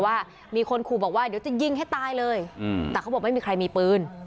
ว่ามีคนขู่บอกว่าเดี๋ยวจะยิงให้ตายเลยแต่เขาบอกไม่มีใครมีปืน